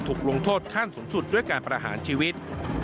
ลงโทษขั้นสูงสุดด้วยการประหารชีวิต